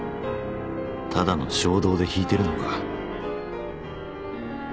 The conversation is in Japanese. ただの衝動で弾いてるのか？